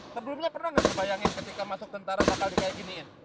sebelumnya pernah nggak terbayangin ketika masuk tentara bakal di kayak giniin